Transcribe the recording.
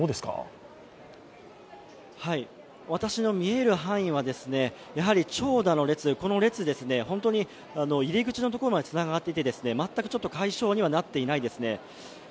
私の見える範囲は、長蛇の列で、この列、本当に入り口のところまでつながっていて全く解消にはなっていないですね。